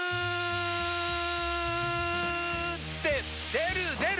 出る出る！